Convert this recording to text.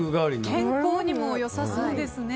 健康にも良さそうですね。